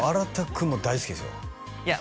君も大好きですよいや